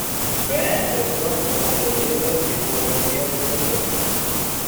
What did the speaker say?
The band was dropped from the label before the Get the Girl!